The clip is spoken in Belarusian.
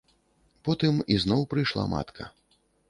Потым ізноў прыйшла матка.